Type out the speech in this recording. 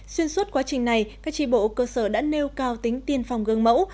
xuyên suốt quá trình này các tri bộ cơ sở đã nêu cao tính tiên phòng gương mẫu